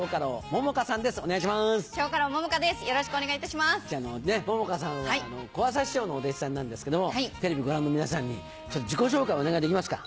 桃花さんは小朝師匠のお弟子さんなんですけどテレビをご覧の皆さんに自己紹介お願いできますか？